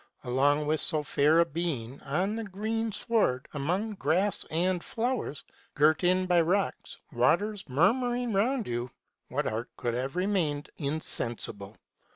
Alone with so fair a being, on the greensward, among grass and flowers, girt in by rocks, waters murmur irg round you, what heart could have remained insensible